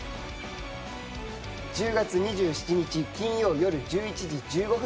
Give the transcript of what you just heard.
１０月２７日金曜よる１１時１５分スタート